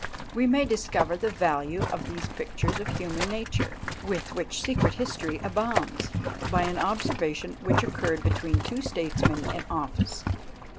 We may discover the value of these pictures of human nature, with which secret history abounds, by an observation which occurred between two statesmen in office.